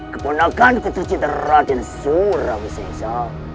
keponakan ku tercinta raden surawi sesa